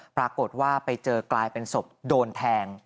ปรากฏว่าไปเจอกลายเป็นศพโดนแทง